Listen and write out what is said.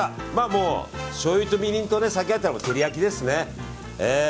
もうしょうゆとみりんと酒あったら照り焼きですね。